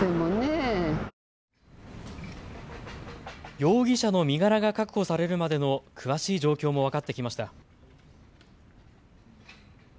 容疑者の身柄が確保されるまでの詳しい状況も分かってきました。